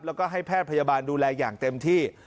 แล้วก็ให้แพทย์พยาบาลดูแลอย่างเต็มที่